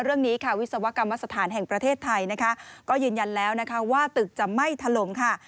เรื่องนี้ค่ะวิศวกรรมสถานแห่งประเทศไทยนะคะก็ยืนยันแล้วนะคะว่าตึกจะไม่ถล่มค่ะ